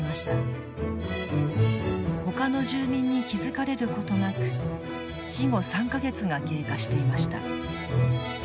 ほかの住民に気付かれることなく死後３か月が経過していました。